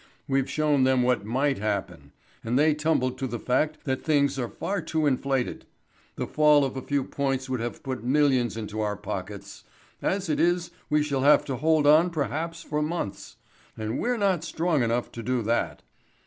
We've shown them what might happen. And they tumble to the fact that things are far too inflated. The fall of a few points would have put millions into our pockets. As it is, we shall have to hold on perhaps for months. And we're not strong enough to do that."